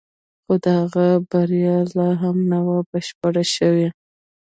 خو د هغه بریا لا هم نه وه بشپړه شوې